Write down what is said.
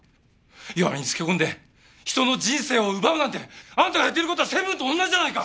弱みにつけ込んで人の人生を奪うなんてあんたのやっている事はセブンと同じじゃないか！